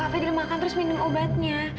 kak fadil makan terus minum obatnya